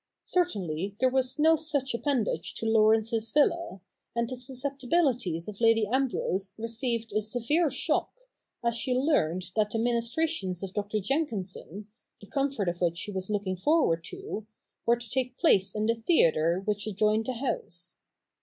Certainly there was no such appendage to Laurence's villa, and the susceptibilities of Lady Ambrose received a severe shock, as she learnt that the ministrations of Dr. Jenkinson, the comfort of which she was looking forward to, w^ere to take place in the theatre which 70 THE NEW REPUBLIC [bk. ii adjoined the house.